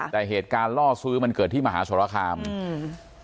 แต่เหตุการณ์ล่อซื้อมันเกิดที่มหาสรคามอืม